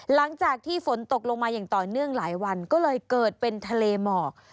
หลังจากที่ฝนตกลงมาอย่างต่อเนื่องหลายวันก็เลยเกิดเป็นทะเลหมอก